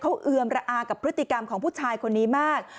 เขาเอือมระอากับพฤติกรรมของผู้ชายคนนี้มาก